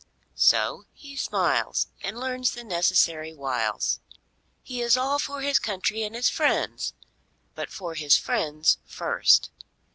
So he smiles and learns the necessary wiles. He is all for his country and his friends, but for his friends first.